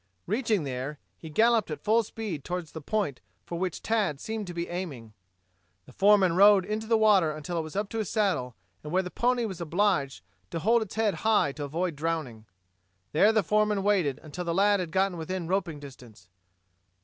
Reaching there, he galloped at full speed toward the point for which Tad seemed to be aiming. The foreman rode into the water until it was up to his saddle and where the pony was obliged to hold its head high to avoid drowning. There the foreman waited until the lad had gotten within roping distance.